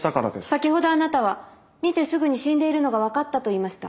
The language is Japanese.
先ほどあなたは見てすぐに死んでいるのが分かったと言いました。